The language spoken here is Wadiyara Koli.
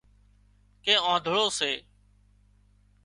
ڪي آنڌۯو سي